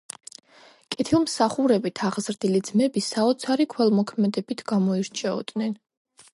კეთილმსახურებით აღზრდილი ძმები საოცარი ქველმოქმედებით გამოირჩეოდნენ.